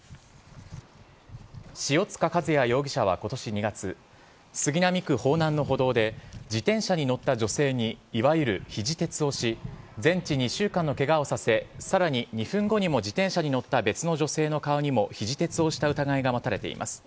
塩塚和也容疑者はことし２月、杉並区方南の歩道で、自転車に乗った女性にいわゆるひじ鉄をし、全治２週間のけがをさせ、さらに２分後にも自転車に乗った別の女性の顔にもひじ鉄をした疑いが持たれています。